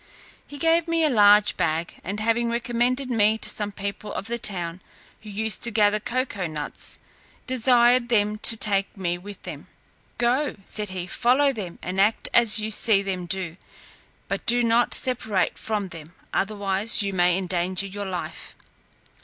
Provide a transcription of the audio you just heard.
He gave me a large bag, and having recommended me to some people of the town, who used to gather cocoa nuts, desired them to take me with them. "Go," said he, "follow them, and act as you see them do, but do not separate from them, otherwise you may endanger your life."